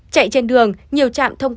chạy trên đường nhiều trạm thông tin